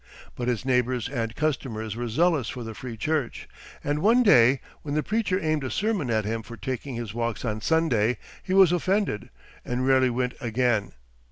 But his neighbors and customers were zealous for the free church; and one day, when the preacher aimed a sermon at him for taking his walks on Sunday, he was offended, and rarely went again.